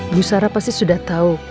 bu sara pasti sudah tahu